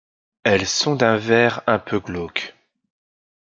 Elles sont d'un vert un peu glauque.